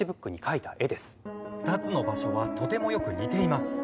「２つの場所はとてもよく似ています」